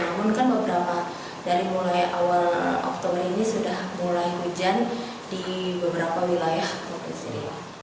namun kan beberapa dari mulai awal oktober ini sudah mulai hujan di beberapa wilayah provinsi riau